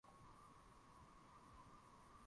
kuliko zote duniani ikiwa na wafuasi bilioni ishirini